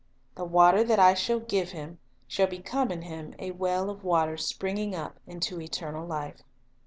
"The water that I shall give him shall become in him a well of water springing up unto eternal life.""